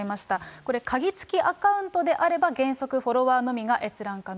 これ、鍵付きアカウントであれば原則フォロワーのみが閲覧可能。